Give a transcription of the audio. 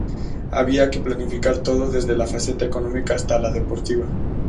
Había que planificar todo, desde la faceta económica hasta la deportiva.